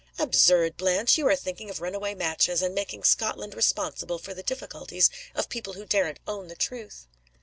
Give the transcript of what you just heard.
"Absurd, Blanche! You are thinking of runaway matches, and making Scotland responsible for the difficulties of people who daren't own the truth!"